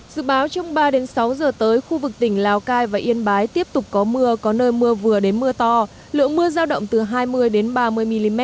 dự báo trong ba sáu giờ tới khu vực tỉnh lào cai và yên bái tiếp tục có mưa có nơi mưa vừa đến mưa to lượng mưa giao động từ hai mươi ba mươi mm